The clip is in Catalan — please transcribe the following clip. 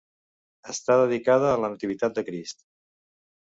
Està dedicada a la Nativitat de Crist.